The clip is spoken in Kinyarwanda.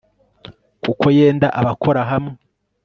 kuko yenda abakora hamwe